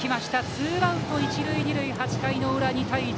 ツーアウト一塁二塁８回裏、２対１。